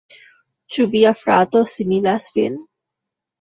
Ĉu via frato similas vin?